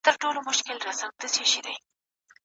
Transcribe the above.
سمدستي ورته خپل ځان را رسومه